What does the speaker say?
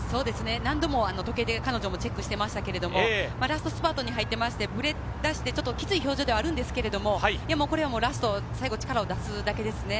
何度も彼女も時計をチェックしていましたけど、ラストスパートに入ってブレ出して、ちょっときつい表情ではあるんですけど、ラスト、力を出すだけですね。